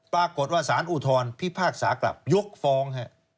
ปรากฏว่าสารอุทธรพิพากษากลับยกฟ้อง